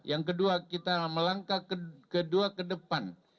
yang kedua kita melangkah kedua ke depan